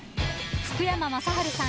福山雅治さん